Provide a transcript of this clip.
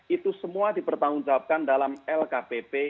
itu semua dipertanggungjawabkan dalam lkpp